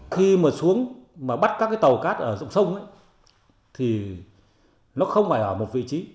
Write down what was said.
khi mà xuống mà bắt các cái tàu cát ở dòng sông ấy thì nó không phải ở một vị trí